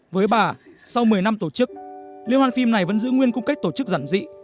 với bà sau một mươi năm tổ chức liên hoan phim này vẫn giữ nguyên cung cách tổ chức giản dị